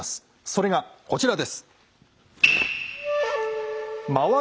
それがこちらです。